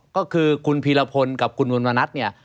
ก็คือคุณพีรพลกับคุณมณณัฐเนี่ย